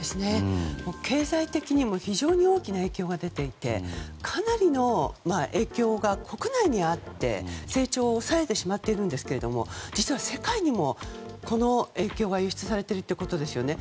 経済的にも非常に大きな影響が出ていてかなりの影響が国内にあって成長を抑えてしまっているんですけども実は世界にもこの影響が流出されているということですよね。